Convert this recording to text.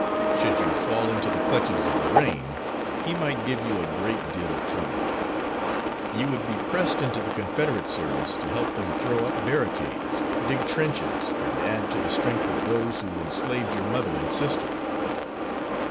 Should you fall into the clutches of Lorraine, he might give you a great deal of trouble. You would be pressed into the Confederate service to help them throw up barricades, dig trenches, and add to the strength of those who enslaved your mother and sister."